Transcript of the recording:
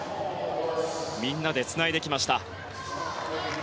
みんなでつないできました。